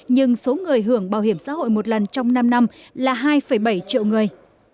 nhưng số người hưởng bảo hiểm xã hội một lần trong năm năm là hai bảy triệu người